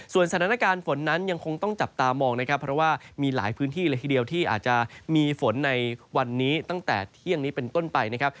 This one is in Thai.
สถานการณ์ฝนนั้นยังคงต้องจับตามองนะครับเพราะว่ามีหลายพื้นที่เลยทีเดียวที่อาจจะมีฝนในวันนี้ตั้งแต่เที่ยงนี้เป็นต้นไปนะครับ